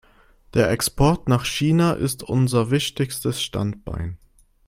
Der Export nach China ist unser wichtigstes Standbein.